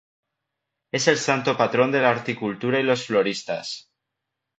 Es el santo patrón de la horticultura y los floristas.